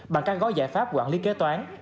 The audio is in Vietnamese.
bằng các gói giải pháp quản lý kế toán